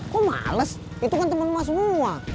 kok males itu kan temen rumah semua